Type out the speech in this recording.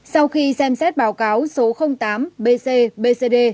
sau khi xem xét báo cáo số tám bcd